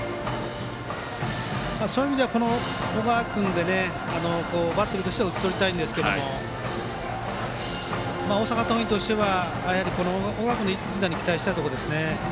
そういう意味では小川君でバッテリーとしては打ち取りたいんですが大阪桐蔭としては小川君の一打に期待したいですね。